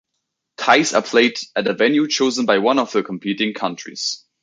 Ties are played at a venue chosen by one of the competing countries.